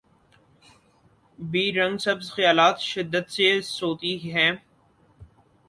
be رنگ سبز خیالات شدت سے سوتی ہیں